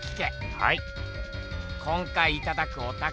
はい。